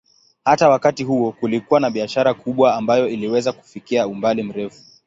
Hata wakati huo kulikuwa na biashara kubwa ambayo iliweza kufikia umbali mrefu.